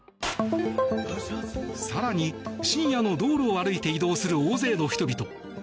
更に深夜の道路を歩いて移動する大勢の人々。